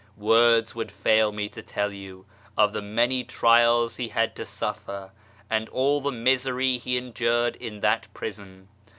Words would fail me to tell you of the many trials he had to suffer, and all the misery he endured in that prison.